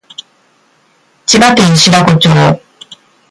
千葉県白子町